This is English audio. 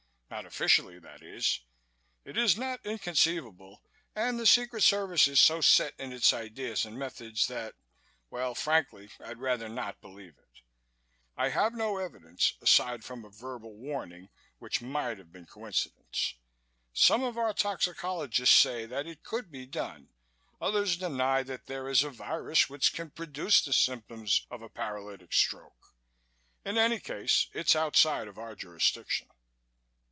"Not officially, that is. It is not inconceivable and the Secret Service is so set in its ideas and methods that well, frankly I'd rather not believe it. I have no evidence, aside from a verbal warning which might have been coincidence. Some of our toxicologists say that it could be done, others deny that there is a virus which can produce the symptoms of a paralytic stroke. In any case, it's outside of our jurisdiction."